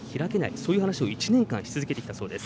そういう話を１年間し続けてきたそうです。